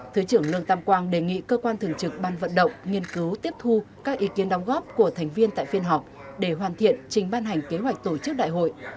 thứ trưởng lương tam quang đề nghị cơ quan thường trực ban vận động nghiên cứu tiếp thu các ý kiến đóng góp của thành viên tại phiên họp để hoàn thiện trình ban hành kế hoạch tổ chức đại hội